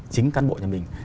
chính cán bộ nhà mình